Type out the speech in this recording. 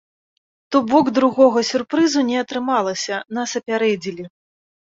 То бок другога сюрпрызу не атрымалася, нас апярэдзілі.